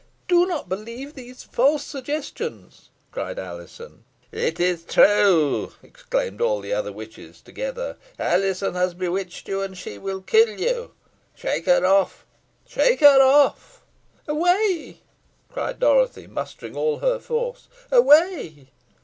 "Do not believe the false suggestion," cried Alizon. "It is true," exclaimed all the other witches together. "Alizon has bewitched you, and will kill you. Shake her off shake her off!" "Away!" cried Dorothy, mustering all her force. "Away!"